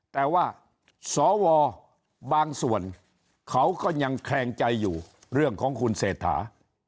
แต่ว่าสวบางส่วนเขาก็ยังแคลงใจอยู่เรื่องของคุณเศรษฐา